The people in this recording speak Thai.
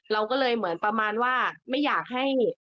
เราก็เลยเหมือนประมาณว่าไม่อยากให้